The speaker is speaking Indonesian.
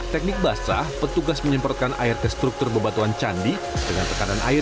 karena sebagai site manager kita harus menjaga keterawatan batu candi borobudur